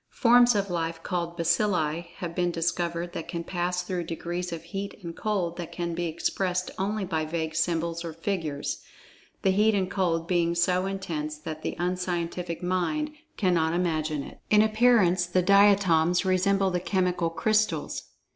Forms of life, called "Baccilli" have been discovered that can pass through degrees of heat and cold that can be expressed only by vague symbols or figures, the heat and cold being so intense that the unscientific mind cannot imagine it. In appearance the "Diatoms" resemble the chemical crystals.